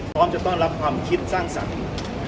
พร้อมจะต้อนรับความคิดสร้างสรรค์